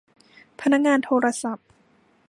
พนักงานโทรศัพท์